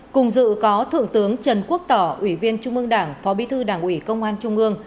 cùng dự có thượng tướng trần quốc tỏ ủy viên trung ương đảng phó bí thư đảng ủy công an trung ương